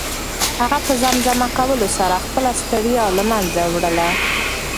هغه په زمزمه کولو سره خپله ستړیا له منځه وړله.